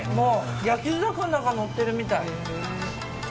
焼き魚がのってるみたい。